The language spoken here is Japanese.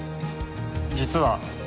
実は。